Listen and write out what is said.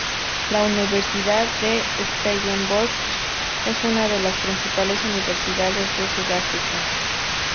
La Universidad de Stellenbosch es una de las principales universidades de Sudáfrica.